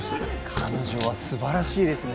彼女は素晴らしいですね